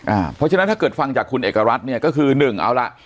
เพราะฉะนั้นถ้าเกิดฟังจากคุณเอกรัฐเนี่ยก็คือหนึ่งเอาล่ะ